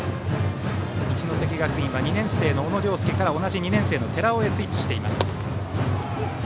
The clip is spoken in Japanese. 一関学院は２年生の小野涼介から同じ２年生の寺尾にスイッチしています。